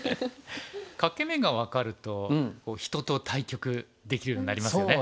欠け眼が分かると人と対局できるようになりますよね。